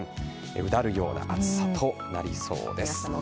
うだるような暑さとなりそうです。